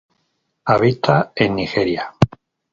Habita en Nigeria.